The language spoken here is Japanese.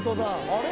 あれ？